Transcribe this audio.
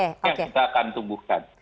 yang kita akan tumbuhkan